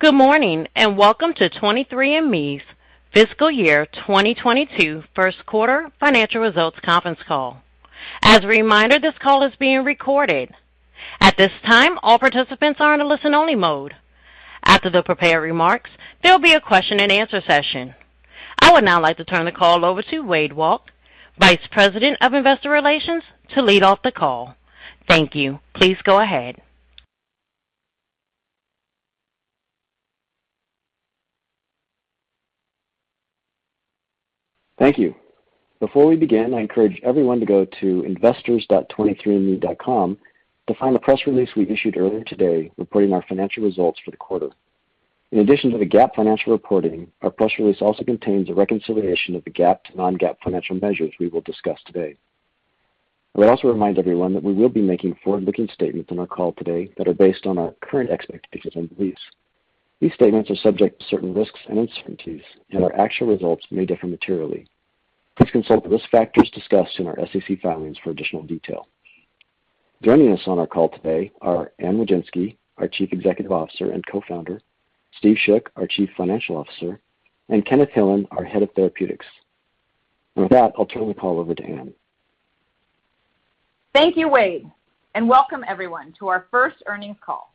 Good morning, and welcome to 23andMe's fiscal year 2022 first quarter financial results conference call. As a reminder, this call is being recorded. At this time, all participants are in a listen-only mode. After the prepared remarks, there will be a question and answer session. I would now like to turn the call over to Wade Walke, Vice President of Investor Relations, to lead off the call. Thank you. Please go ahead. Thank you. Before we begin, I encourage everyone to go to investors.23andme.com to find the press release we issued earlier today, reporting our financial results for the quarter. In addition to the GAAP financial reporting, our press release also contains a reconciliation of the GAAP to non-GAAP financial measures we will discuss today. I would also remind everyone that we will be making forward-looking statements on our call today that are based on our current expectations and beliefs. These statements are subject to certain risks and uncertainties, our actual results may differ materially. Please consult the risk factors discussed in our SEC filings for additional detail. Joining us on our call today are Anne Wojcicki, our Chief Executive Officer and Co-founder, Steve Schoch, our Chief Financial Officer, and Kenneth Hillan, our Head of Therapeutics. With that, I'll turn the call over to Anne. Thank you, Wade, and welcome everyone to our first earnings call.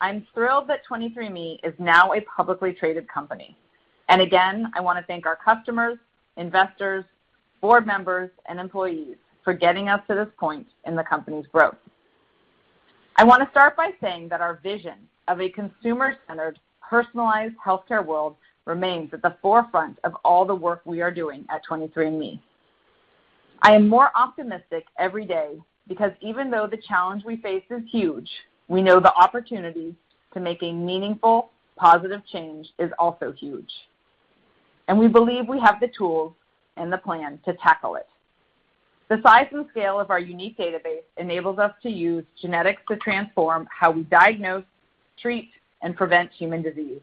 I'm thrilled that 23andMe is now a publicly traded company. Again, I want to thank our customers, investors, board members, and employees for getting us to this point in the company's growth. I want to start by saying that our vision of a consumer-centered, personalized healthcare world remains at the forefront of all the work we are doing at 23andMe. I am more optimistic every day because even though the challenge we face is huge, we know the opportunity to make a meaningful, positive change is also huge, and we believe we have the tools and the plan to tackle it. The size and scale of our unique database enables us to use genetics to transform how we diagnose, treat, and prevent human disease.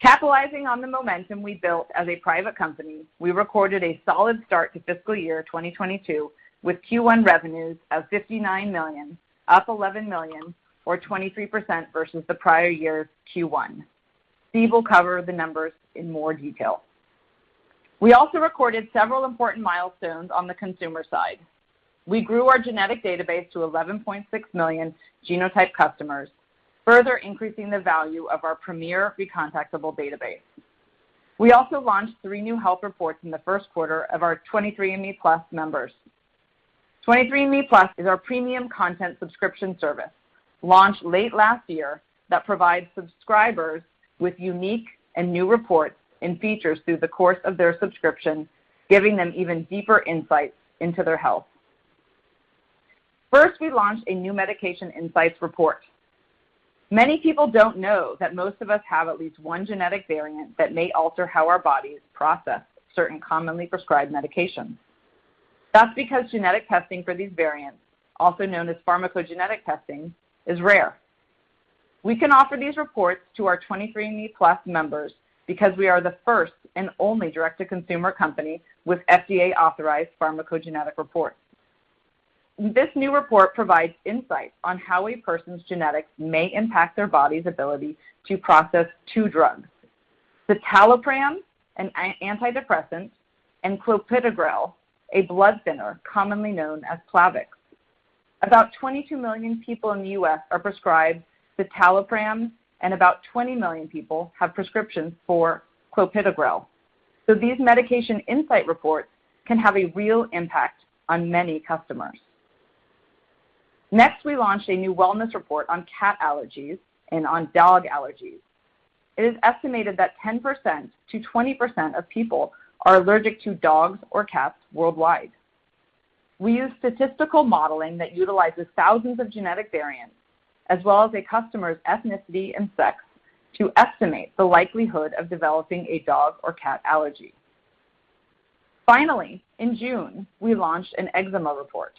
Capitalizing on the momentum we built as a private company, we recorded a solid start to fiscal year 2022 with Q1 revenues of $59 million, up $11 million or 23% versus the prior year's Q1. Steven will cover the numbers in more detail. We also recorded several important milestones on the consumer side. We grew our genetic database to 11.6 million genotype customers, further increasing the value of our premier recontactable database. We also launched three new health reports in the first quarter of our 23andMe+ members. 23andMe+ is our premium content subscription service, launched late last year, that provides subscribers with unique and new reports and features through the course of their subscription, giving them even deeper insights into their health. First, we launched a new medication insights report. Many people don't know that most of us have at least one genetic variant that may alter how our bodies process certain commonly prescribed medications. That's because genetic testing for these variants, also known as pharmacogenetic testing, is rare. We can offer these reports to our 23andMe+ members because we are the first and only direct-to-consumer company with FDA-authorized pharmacogenetic reports. This new report provides insights on how a person's genetics may impact their body's ability to process two drugs, citalopram, an antidepressant, and clopidogrel, a blood thinner commonly known as Plavix. About 22 million people in the U.S. are prescribed citalopram, and about 20 million people have prescriptions for clopidogrel. These medication insight reports can have a real impact on many customers. Next, we launched a new wellness report on cat allergies and on dog allergies. It is estimated that 10%-20% of people are allergic to dogs or cats worldwide. We use statistical modeling that utilizes thousands of genetic variants, as well as a customer's ethnicity and sex, to estimate the likelihood of developing a dog or cat allergy. Finally, in June, we launched an eczema report.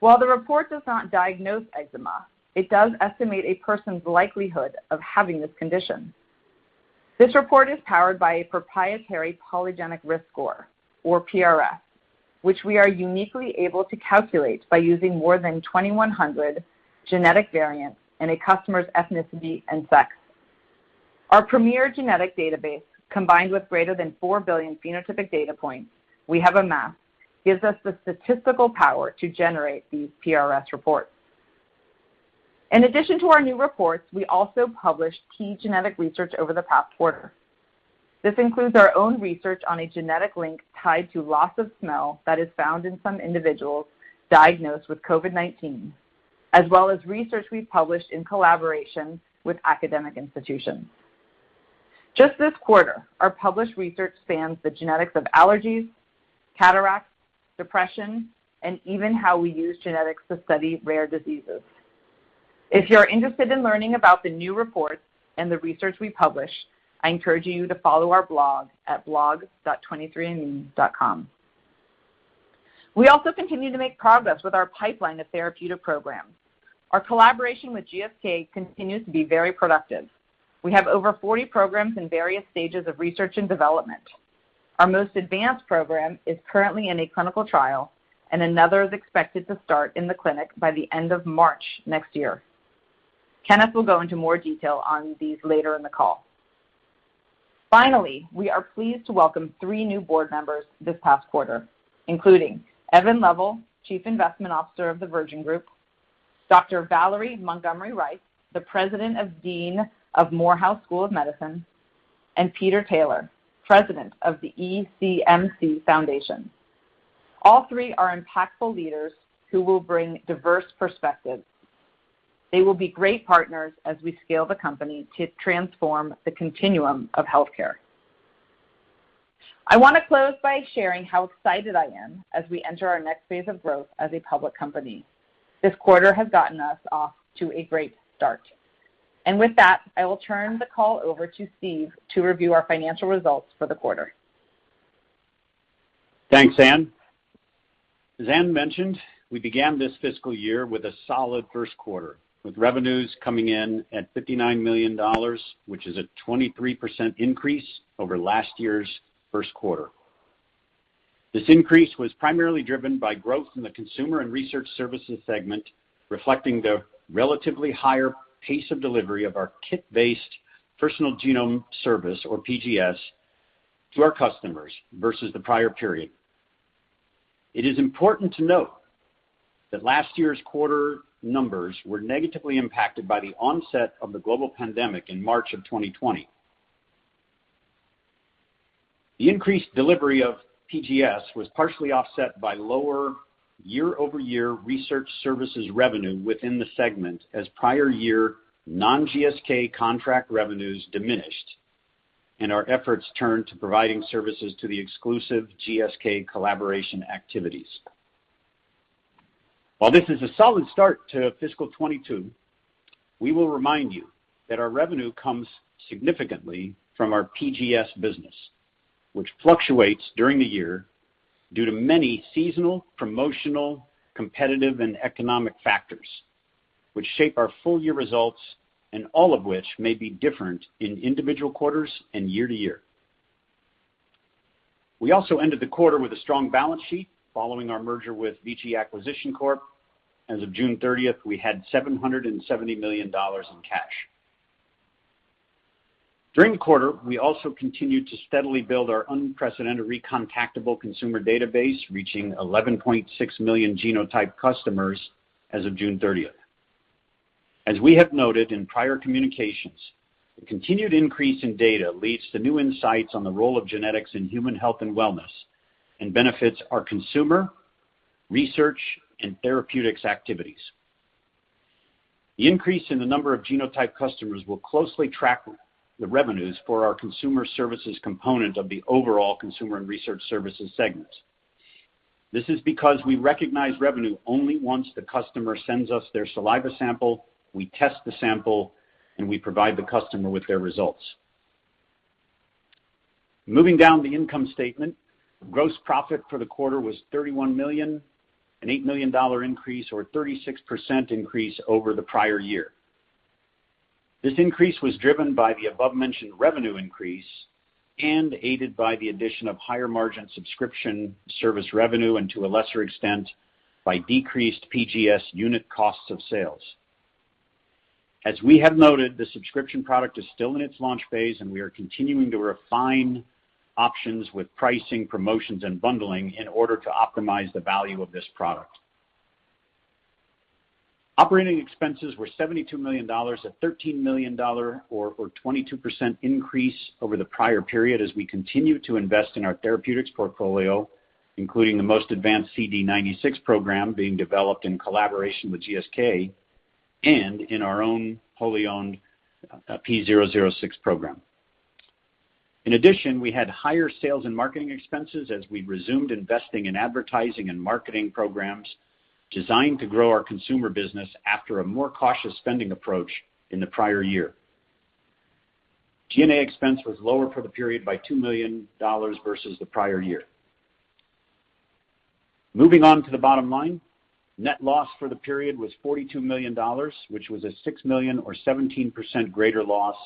While the report does not diagnose eczema, it does estimate a person's likelihood of having this condition. This report is powered by a proprietary polygenic risk score, or PRS, which we are uniquely able to calculate by using more than 2,100 genetic variants and a customer's ethnicity and sex. Our premier genetic database, combined with greater than 4 billion phenotypic data points we have amassed, gives us the statistical power to generate these PRS reports. In addition to our new reports, we also published key genetic research over the past quarter. This includes our own research on a genetic link tied to loss of smell that is found in some individuals diagnosed with COVID-19, as well as research we've published in collaboration with academic institutions. Just this quarter, our published research spans the genetics of allergies, cataracts, depression, and even how we use genetics to study rare diseases. If you're interested in learning about the new reports and the research we publish, I encourage you to follow our blog at blog.23andme.com. We also continue to make progress with our pipeline of therapeutic programs. Our collaboration with GSK continues to be very productive. We have over 40 programs in various stages of research and development. Our most advanced program is currently in a clinical trial, and another is expected to start in the clinic by the end of March next year. Kenneth will go into more detail on these later in the call. Finally, we are pleased to welcome three new board members this past quarter, including Evan Lovell, Chief Investment Officer of the Virgin Group, Dr. Valerie Montgomery Rice, the President and Dean of Morehouse School of Medicine, and Peter Taylor, President of the ECMC Foundation. All three are impactful leaders who will bring diverse perspectives. They will be great partners as we scale the company to transform the continuum of healthcare. I want to close by sharing how excited I am as we enter our next phase of growth as a public company. This quarter has gotten us off to a great start. With that, I will turn the call over to Steve to review our financial results for the quarter. Thanks, Anne. As Anne mentioned, we began this fiscal year with a solid first quarter, with revenues coming in at $59 million, which is a 23% increase over last year's first quarter. This increase was primarily driven by growth in the consumer and research services segment, reflecting the relatively higher pace of delivery of our kit-based Personal Genome Service, or PGS, to our customers versus the prior period. It is important to note that last year's quarter numbers were negatively impacted by the onset of the global pandemic in March 2020. The increased delivery of PGS was partially offset by lower year-over-year research services revenue within the segment, as prior year non-GSK contract revenues diminished and our efforts turned to providing services to the exclusive GSK collaboration activities. While this is a solid start to fiscal 2022, we will remind you that our revenue comes significantly from our PGS business, which fluctuates during the year due to many seasonal, promotional, competitive, and economic factors, which shape our full-year results, and all of which may be different in individual quarters and year-to-year. We also ended the quarter with a strong balance sheet following our merger with VG Acquisition Corp. As of June 30th, we had $770 million in cash. During the quarter, we also continued to steadily build our unprecedented recontactable consumer database, reaching 11.6 million genotype customers as of June 30th. As we have noted in prior communications, the continued increase in data leads to new insights on the role of genetics in human health and wellness and benefits our consumer, research, and therapeutics activities. The increase in the number of genotype customers will closely track the revenues for our consumer services component of the overall consumer and research services segments. This is because we recognize revenue only once the customer sends us their saliva sample, we test the sample, and we provide the customer with their results. Moving down the income statement, gross profit for the quarter was $31 million, an $8 million increase or 36% increase over the prior year. This increase was driven by the above-mentioned revenue increase and aided by the addition of higher-margin subscription service revenue, and to a lesser extent, by decreased PRS unit costs of sales. As we have noted, the subscription product is still in its launch phase, and we are continuing to refine options with pricing, promotions, and bundling in order to optimize the value of this product. Operating expenses were $72 million, a $13 million or 22% increase over the prior period, as we continue to invest in our therapeutics portfolio, including the most advanced CD96 program being developed in collaboration with GSK and in our own wholly owned P006 program. In addition, we had higher sales and marketing expenses as we resumed investing in advertising and marketing programs designed to grow our consumer business after a more cautious spending approach in the prior year. G&A expense was lower for the period by $2 million versus the prior year. Moving on to the bottom line, net loss for the period was $42 million, which was a $6 million or 17% greater loss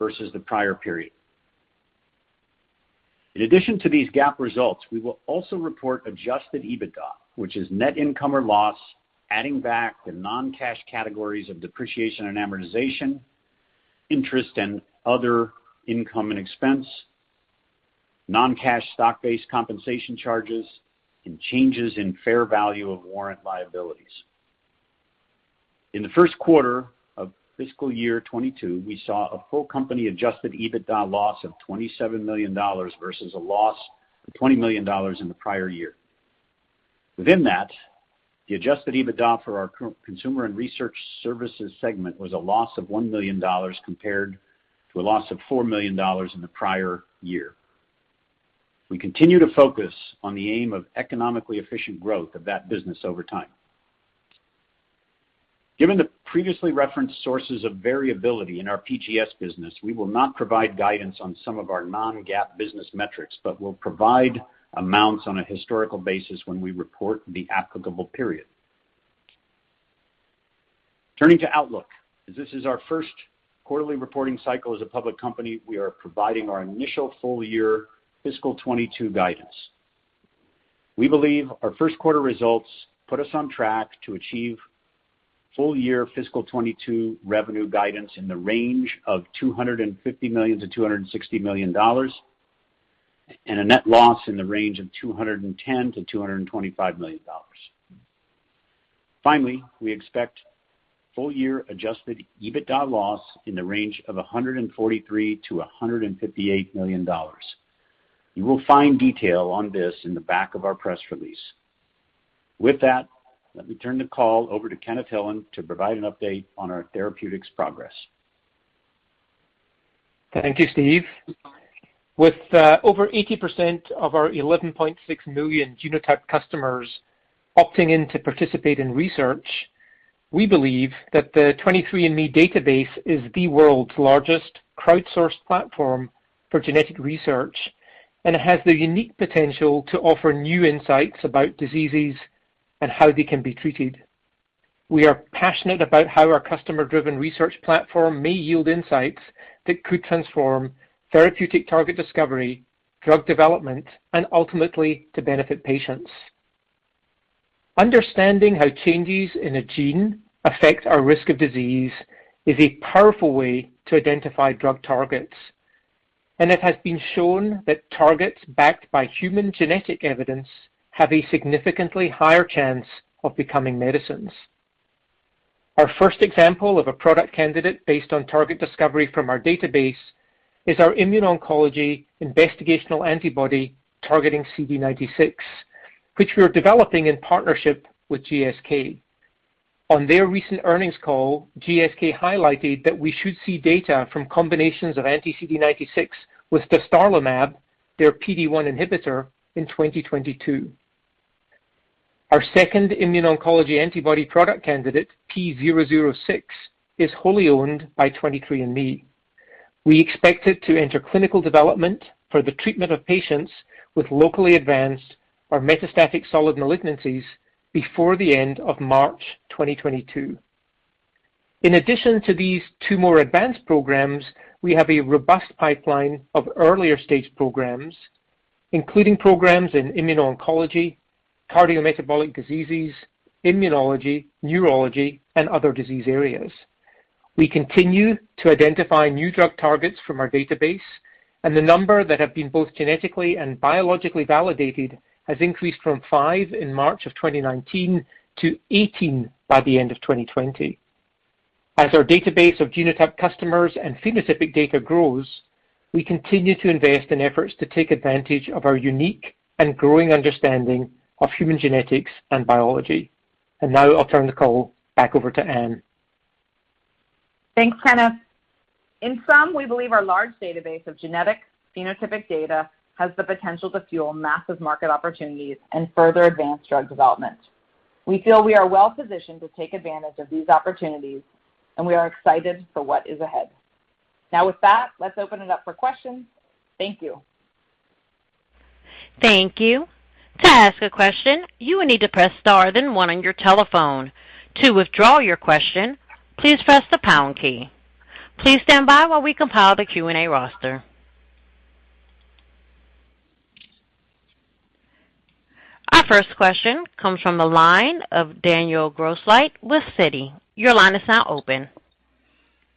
versus the prior period. In addition to these GAAP results, we will also report adjusted EBITDA, which is net income or loss, adding back the non-cash categories of depreciation and amortization, interest and other income and expense, non-cash stock-based compensation charges, and changes in fair value of warrant liabilities. In the first quarter of fiscal year 2022, we saw a full company-adjusted EBITDA loss of $27 million versus a loss of $20 million in the prior year. Within that, the adjusted EBITDA for our consumer and research services segment was a loss of $1 million compared to a loss of $4 million in the prior year. We continue to focus on the aim of economically efficient growth of that business over time. Given the previously referenced sources of variability in our PGS business, we will not provide guidance on some of our non-GAAP business metrics, but will provide amounts on a historical basis when we report the applicable period. Turning to outlook. As this is our first quarterly reporting cycle as a public company, we are providing our initial full year fiscal 2022 guidance. We believe our first quarter results put us on track to achieve full year fiscal 2022 revenue guidance in the range of $250 million-$260 million, and a net loss in the range of $210 million-$225 million. Finally, we expect full year adjusted EBITDA loss in the range of $143 million-$158 million. You will find detail on this in the back of our press release. With that, let me turn the call over to Kenneth Hillan to provide an update on our therapeutics progress. Thank you, Steve. With over 80% of our 11.6 million genotyped customers opting in to participate in research, we believe that the 23andMe database is the world's largest crowdsourced platform for genetic research, and it has the unique potential to offer new insights about diseases and how they can be treated. We are passionate about how our customer-driven research platform may yield insights that could transform therapeutic target discovery, drug development, and ultimately to benefit patients. Understanding how changes in a gene affect our risk of disease is a powerful way to identify drug targets. It has been shown that targets backed by human genetic evidence have a significantly higher chance of becoming medicines. Our first example of a product candidate based on target discovery from our database is our immuno-oncology investigational antibody targeting CD96, which we are developing in partnership with GSK. On their recent earnings call, GSK highlighted that we should see data from combinations of anti-CD96 with dostarlimab, their PD-1 inhibitor, in 2022. Our second immuno-oncology antibody product candidate, P006, is wholly owned by 23andMe. We expect it to enter clinical development for the treatment of patients with locally advanced or metastatic solid malignancies before the end of March 2022. In addition to these two more advanced programs, we have a robust pipeline of earlier stage programs, including programs in immuno-oncology, cardiometabolic diseases, immunology, neurology, and other disease areas. We continue to identify new drug targets from our database, and the number that have been both genetically and biologically validated has increased from five in March of 2019 to 18 by the end of 2020. As our database of genotyped customers and phenotypic data grows, we continue to invest in efforts to take advantage of our unique and growing understanding of human genetics and biology. Now I'll turn the call back over to Anne. Thanks, Kenneth. In sum, we believe our large database of genetic phenotypic data has the potential to fuel massive market opportunities and further advance drug development. We feel we are well-positioned to take advantage of these opportunities, and we are excited for what is ahead. Now with that, let's open it up for questions. Thank you. Thank you. To ask a question, you will need to press star then one on your telephone. To withdraw your question, please press the pound key. Please stand by while we compile the Q&A roster. Our first question comes from the line of Daniel Grosslight with Citi. Your line is now open.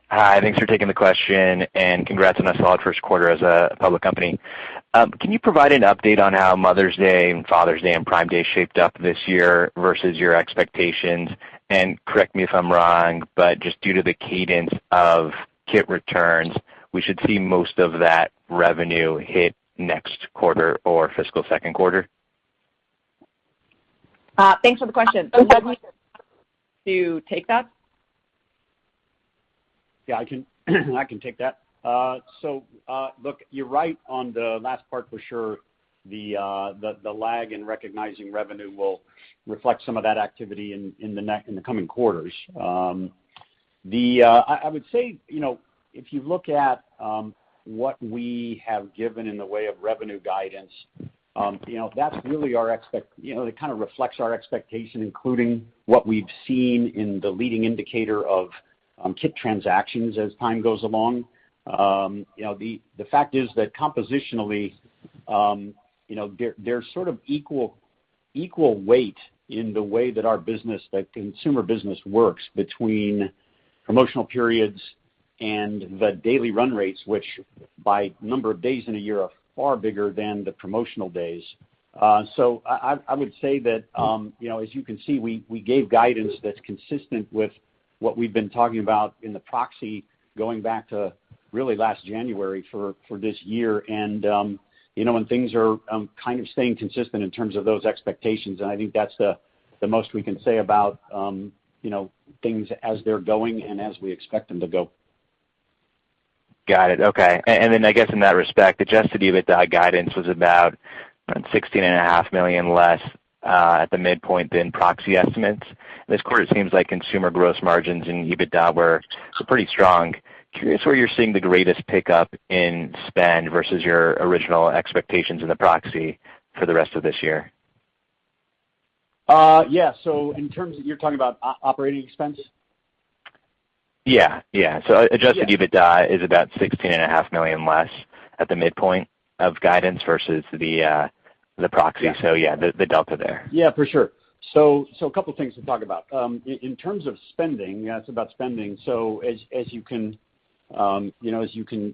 Hi, thanks for taking the question and congrats on a solid first quarter as a public company. Can you provide an update on how Mother's Day and Father's Day and Prime Day shaped up this year versus your expectations? Correct me if I'm wrong, but just due to the cadence of kit returns, we should see most of that revenue hit next quarter or fiscal second quarter? Thanks for the question. Steve, would you like to take that? Yeah, I can take that. Look, you're right on the last part for sure. The lag in recognizing revenue will reflect some of that activity in the coming quarters. I would say, if you look at what we have given in the way of revenue guidance, that really kind of reflects our expectation, including what we've seen in the leading indicator of kit transactions as time goes along. The fact is that compositionally, there's sort of equal weight in the way that our consumer business works between promotional periods and the daily run rates, which by number of days in a year are far bigger than the promotional days. I would say that, as you can see, we gave guidance that's consistent with what we've been talking about in the proxy, going back to really last January for this year. When things are kind of staying consistent in terms of those expectations, I think that's the most we can say about things as they're going and as we expect them to go. Got it. Okay. I guess in that respect, adjusted EBITDA guidance was about $16.5 million less at the midpoint than proxy estimates. This quarter it seems like consumer gross margins and EBITDA were pretty strong. Curious where you're seeing the greatest pickup in spend versus your original expectations in the proxy for the rest of this year? Yes. you're talking about operating expense? Adjusted EBITDA is about $16.5 million less at the midpoint of guidance versus the proxy. The delta there. Yeah, for sure. A couple of things to talk about. In terms of spending, it's about spending. As you can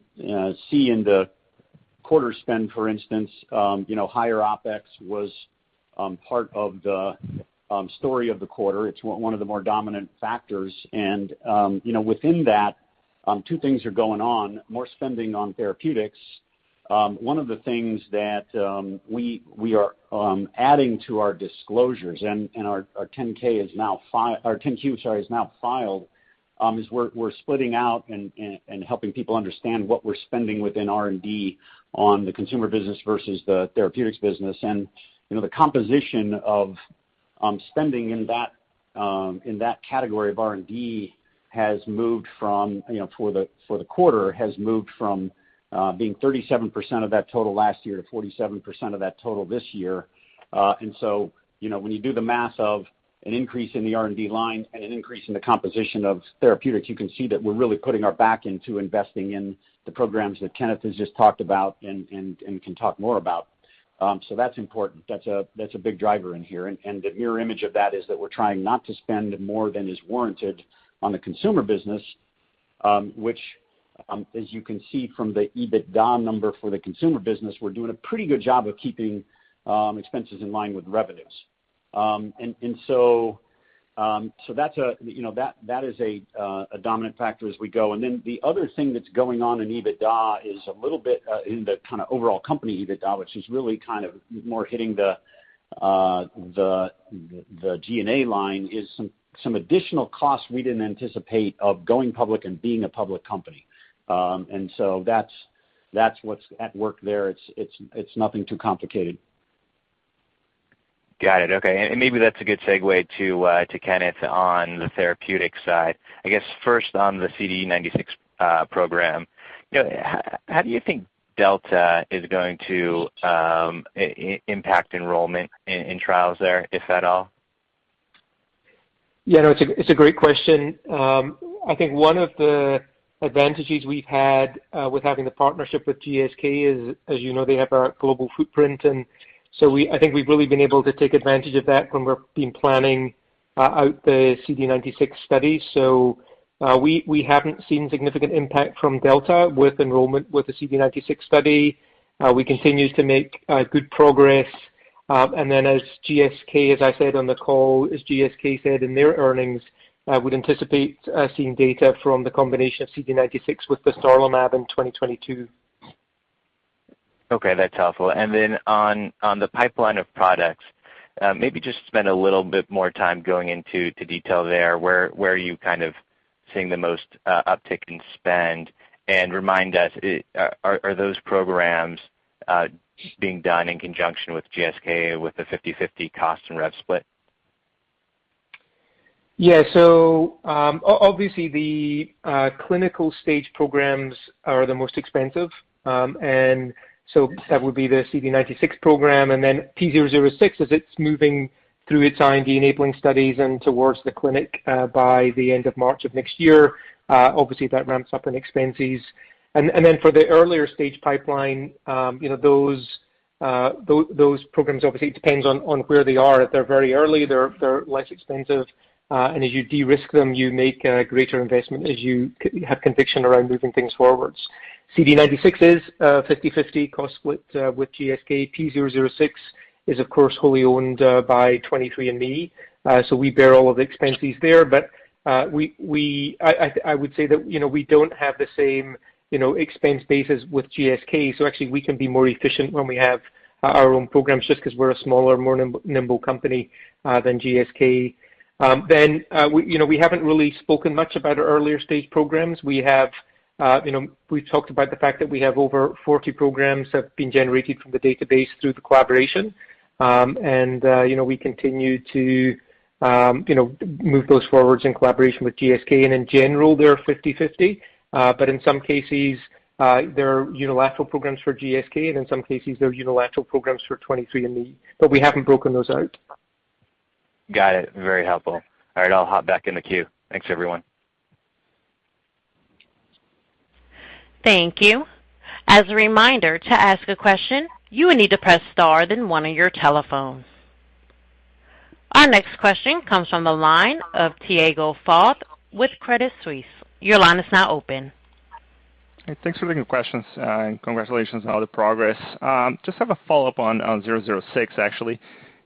see in the quarter spend, for instance, higher OpEx was part of the story of the quarter. It's one of the more dominant factors. Within that, two things are going on, more spending on therapeutics. One of the things that we are adding to our disclosures, and our 10-Q is now filed, is we're splitting out and helping people understand what we're spending within R&D on the consumer business versus the therapeutics business. The composition of spending in that category of R&D has moved from, for the quarter, has moved from being 37% of that total last year to 47% of that total this year. When you do the math of an increase in the R&D line and an increase in the composition of therapeutics, you can see that we're really putting our back into investing in the programs that Kenneth has just talked about and can talk more about. That's important. That's a big driver in here. The mirror image of that is that we're trying not to spend more than is warranted on the consumer business, which, as you can see from the EBITDA number for the consumer business, we're doing a pretty good job of keeping expenses in line with revenues. That is a dominant factor as we go. The other thing that's going on in EBITDA is a little bit in the kind of overall company EBITDA, which is really more hitting the G&A line, is some additional costs we didn't anticipate of going public and being a public company. That's what's at work there. It's nothing too complicated. Got it. Okay. Maybe that's a good segue to Kenneth on the therapeutic side. I guess first on the CD96 program, how do you think Delta is going to impact enrollment in trials there, if at all? Yeah, no, it's a great question. I think one of the advantages we've had with having the partnership with GSK is, as you know, they have a global footprint. I think we've really been able to take advantage of that when we've been planning out the CD96 study. We haven't seen significant impact from Delta with enrollment with the CD96 study. We continue to make good progress. As GSK, as I said on the call, as GSK said in their earnings, I would anticipate seeing data from the combination of CD96 with the dostarlimab in 2022. Okay, that's helpful. On the pipeline of products, maybe just spend a little bit more time going into detail there. Where are you kind of seeing the most uptick in spend? Remind us, are those programs being done in conjunction with GSK with the 50/50 cost and rev split? Obviously the clinical stage programs are the most expensive. That would be the CD96 program. Then P006 as it's moving through its IND-enabling studies and towards the clinic by the end of March of next year. Obviously, that ramps up in expenses. Then for the earlier stage pipeline, those programs obviously it depends on where they are. If they're very early, they're less expensive. As you de-risk them, you make a greater investment as you have conviction around moving things forwards. CD96 is 50/50 cost split with GSK. P006 is, of course, wholly owned by 23andMe. We bear all of the expenses there. I would say that we don't have the same expense basis with GSK. Actually we can be more efficient when we have our own programs just because we're a smaller, more nimble company than GSK. We haven't really spoken much about our earlier stage programs. We've talked about the fact that we have over 40 programs that have been generated from the database through the collaboration. We continue to move those forwards in collaboration with GSK. In general, they're 50/50. In some cases, they're unilateral programs for GSK, and in some cases, they're unilateral programs for 23andMe. We haven't broken those out. Got it. Very helpful. All right, I'll hop back in the queue. Thanks, everyone. Thank you. As a reminder, to ask a question, you will need to press star then one on your telephones. Our next question comes from the line of Tiago Fauth with Credit Suisse. Your line is now open. Thanks for the good questions and congratulations on all the progress. Just have a follow-up on 006, actually.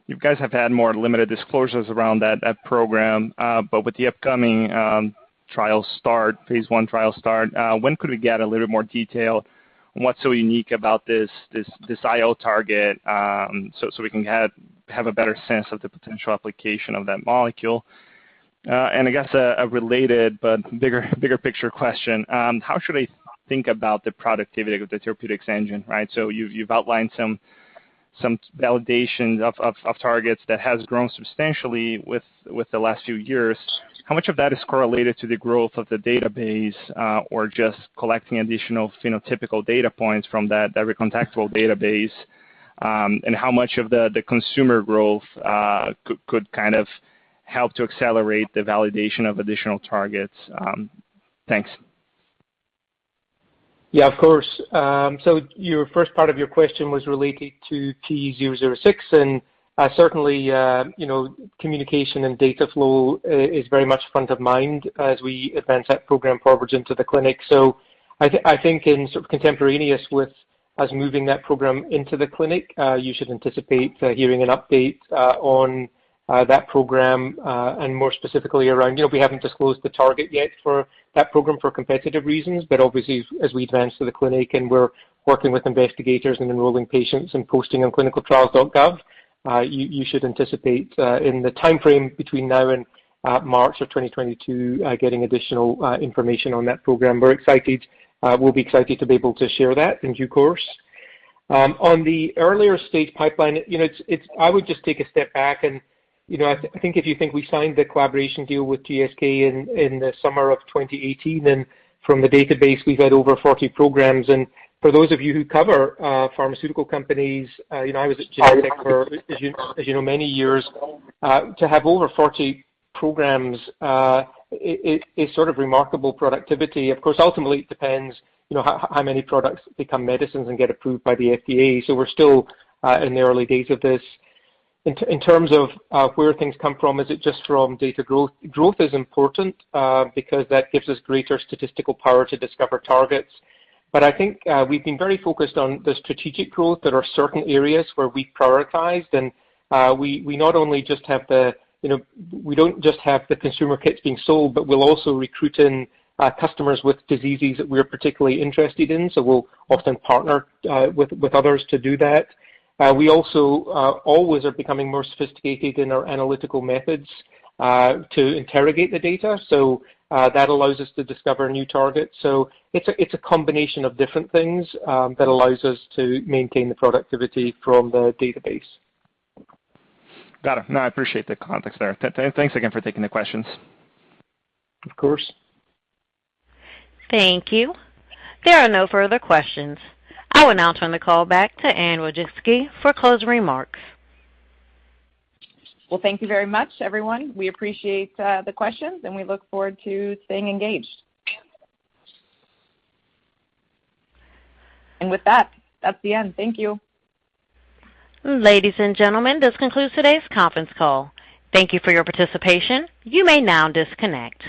You guys have had more limited disclosures around that program. With the upcoming phase I trial start, when could we get a little more detail on what's so unique about this IO target so we can have a better sense of the potential application of that molecule? I guess a related but bigger picture question. How should I think about the productivity of the therapeutics engine, right? You've outlined some validations of targets that has grown substantially with the last few years. How much of that is correlated to the growth of the database or just collecting additional phenotypical data points from that every contextual database? How much of the consumer growth could kind of help to accelerate the validation of additional targets? Thanks. Yeah, of course. Your first part of your question was related to T-006. Certainly, communication and data flow is very much front of mind as we advance that program forward into the clinic. I think in sort of contemporaneous with us moving that program into the clinic, you should anticipate hearing an update on that program, and more specifically around. We haven't disclosed the target yet for that program for competitive reasons. Obviously, as we advance to the clinic and we're working with investigators and enrolling patients and posting on clinicaltrials.gov, you should anticipate in the timeframe between now and March of 2022, getting additional information on that program. We're excited. We'll be excited to be able to share that in due course. On the earlier stage pipeline, I would just take a step back and I think if you think we signed the collaboration deal with GSK in the summer of 2018. From the database, we've had over 40 programs. For those of you who cover pharmaceutical companies, I was at Genentech for, as you know, many years. To have over 40 programs, is sort of remarkable productivity. Of course, ultimately, it depends how many products become medicines and get approved by the FDA. We're still in the early days of this. In terms of where things come from, is it just from data growth? Growth is important because that gives us greater statistical power to discover targets. I think we've been very focused on the strategic growth. There are certain areas where we've prioritized, and we don't just have the consumer kits being sold, but we'll also recruiting customers with diseases that we're particularly interested in. We'll often partner with others to do that. We also always are becoming more sophisticated in our analytical methods to interrogate the data. That allows us to discover new targets. It's a combination of different things that allows us to maintain the productivity from the database. Got it. I appreciate the context there. Thanks again for taking the questions. Of course. Thank you. There are no further questions. I will now turn the call back to Anne Wojcicki for closing remarks. Well, thank you very much, everyone. We appreciate the questions, and we look forward to staying engaged. With that's the end. Thank you. Ladies and gentlemen, this concludes today's conference call. Thank you for your participation. You may now disconnect.